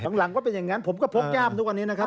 หลังก็เป็นอย่างนั้นผมก็พกย่ามทุกวันนี้นะครับ